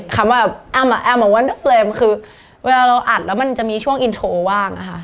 คำว่าอัมมาอัมมาวันเฟรมคือเวลาเราอัดแล้วมันจะมีช่วงอินโทรว่างค่ะ